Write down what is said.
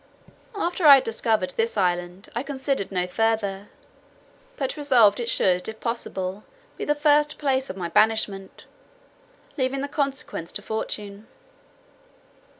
After I had discovered this island, I considered no further; but resolved it should, if possible, be the first place of my banishment, leaving the consequence to fortune.